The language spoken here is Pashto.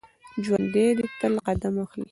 ژوندي تل قدم اخلي